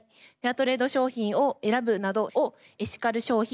トレード商品を選ぶなどをエシカル消費といいます。